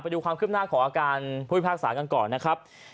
ดูความคืบหน้าของอาการผู้พิพากษากันก่อนนะครับ